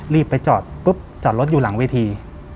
รีบไปจอดปุ๊บจอดรถอยู่หลังเวที